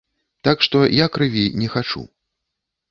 Так што я крыві не хачу.